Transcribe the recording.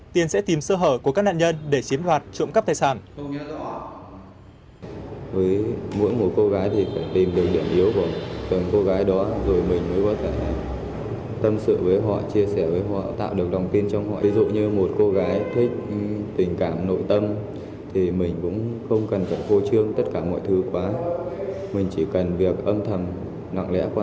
tiền sẽ tìm sơ hở của các nạn nhân để chiếm đoạt trụng cấp tài sản